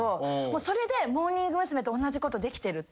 それでモーニング娘。と同じことできてるって思って。